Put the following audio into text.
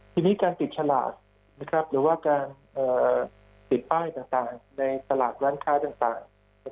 ทีนี้การติดฉลากหรือว่าการติดป้ายต่างในตลาดร้านค้าต่าง